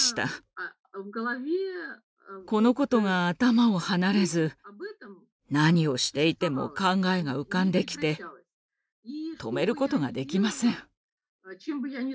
このことが頭を離れず何をしていても考えが浮かんできて止めることができません。